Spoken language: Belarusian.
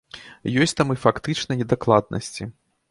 Ёсць там і фактычныя недакладнасці.